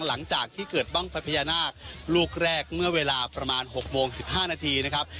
หลังจากที่เกิดบ้างไฟพญานาคลูกแรกเมื่อเวลาประมาณ๖โมง๑๕นาทีนะครับ